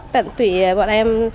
tận tụy bọn em